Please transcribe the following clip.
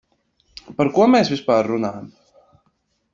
Par ko mēs vispār runājam?